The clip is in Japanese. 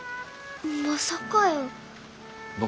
まさかやー。